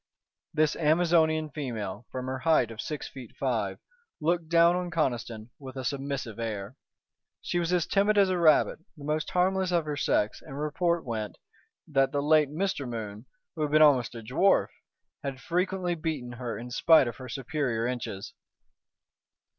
This Amazonian female, from her height of six feet five, looked down on Conniston with a submissive air. She was as timid as a rabbit, the most harmless of her sex, and report went, that the late Mr. Moon, who had been almost a dwarf, had frequently beaten her in spite of her superior inches.